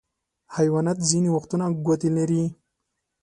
حیوانات ځینې وختونه ګوتې لري.